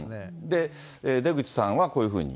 で、出口さんはこういうふうに。